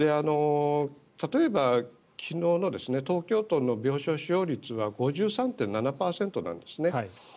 例えば昨日の東京都の病床使用率は５３．７％なんですね。